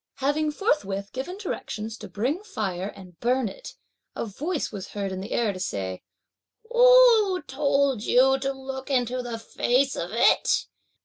Having forthwith given directions to bring fire and burn it, a voice was heard in the air to say, "Who told you to look into the face of it?